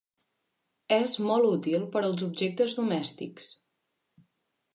És molt útil per als objectes domèstics.